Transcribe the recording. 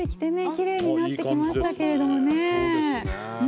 きれいになってきましたけれどもね。